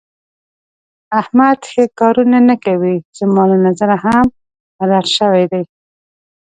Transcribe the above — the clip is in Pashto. احمد ښه کارونه نه کوي. زما له نظره هم رټ شوی دی.